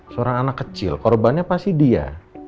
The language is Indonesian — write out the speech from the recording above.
seorang anak kecil korbannya pasti dia